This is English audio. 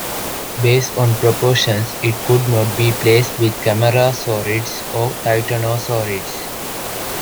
Based on proportions, it could not be placed with camarasaurids or titanosaurids.